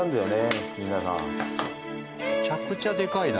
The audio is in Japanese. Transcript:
めちゃくちゃでかいな。